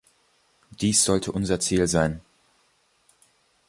Dies sollte unser Ziel sein.